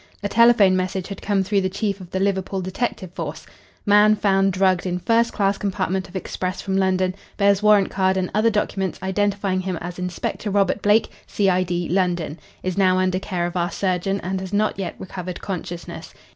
A telephone message had come through the chief of the Liverpool detective force "Man found drugged in first class compartment of express from London, bears warrant card and other documents identifying him as Inspector Robert Blake, C.I.D., London. Is now under care of our surgeon, and has not yet recovered consciousness.